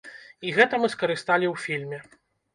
І гэта мы скарысталі ў фільме.